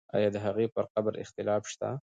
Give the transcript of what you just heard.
آیا د هغې پر قبر اختلاف شته؟